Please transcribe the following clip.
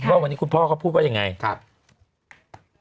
ว่าวันนี้คุณพ่อก็พูดว่าอย่างไร